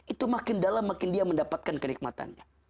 itu makin dalam makin dia mendapatkan kenikmatannya